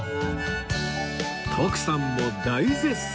徳さんも大絶賛！